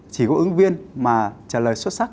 chỉ có ứng viên mà trả lời xuất sắc